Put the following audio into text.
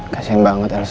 kasian banget elsa